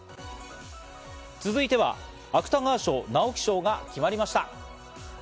続いては芥川賞・直木賞が決まりました。